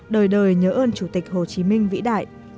đời đời nhớ ơn chủ tịch hồ chí minh vĩ đại